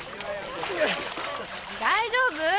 ・大丈夫？